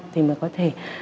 thì mới có thể